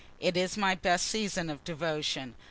It is my best season of devotion."